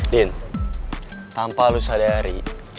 din tanpa lo sadari